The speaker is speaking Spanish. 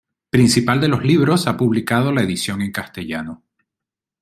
Principal de los Libros ha publicado la edición en castellano.